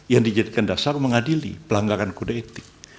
yang dijadikan dasar mengadili pelanggaran kode etik